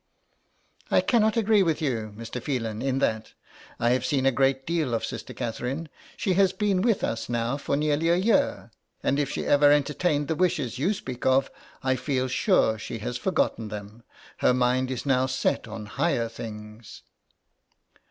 '' I cannot agree with you, Mr. Phelan, in that. I have seen a great deal of Sister Catherine — she has been with us now for nearly a year — and if she ever entertained the wishes you speak of, I feel sure she has forgotten them. Her mind is now set on higher things."